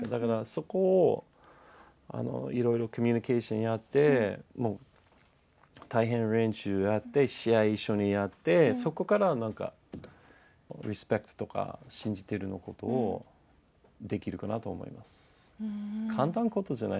そこをいろいろコミュニケーションやって、もう大変な練習やって、試合一緒にやって、そこから、リスペクトとか、信じてるのことをできるかなと思います。